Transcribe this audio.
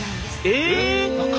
え！